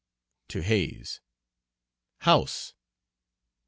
To haze. "House."